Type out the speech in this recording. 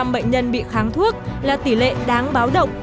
bảy mươi bệnh nhân bị kháng thuốc là tỷ lệ đáng báo động